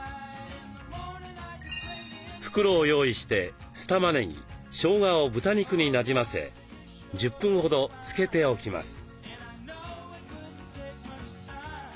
袋を用意して酢たまねぎしょうがを豚肉になじませ１０分ほど漬けておきます。